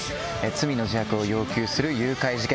罪の自白を要求する誘拐事件。